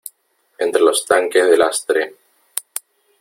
entre los tanques de lastre .